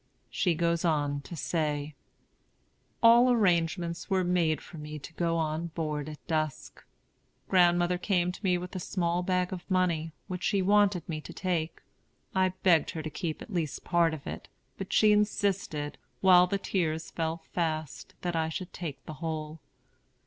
She goes on to say: ] "All arrangements were made for me to go on board at dusk. Grandmother came to me with a small bag of money, which she wanted me to take. I begged her to keep at least part of it; but she insisted, while her tears fell fast, that I should take the whole.